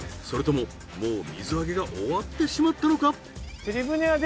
それとももう水揚げが終わってしまったのか？